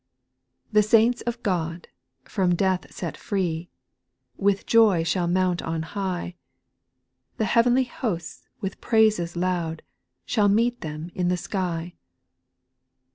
6. The saints of God, from death set free, With joy shall mount on high ; The heav'nly hosts with praises loud, Shall meet them in the sky.